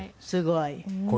すごい。